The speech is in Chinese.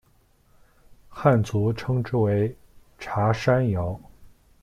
汉族称之为茶山瑶。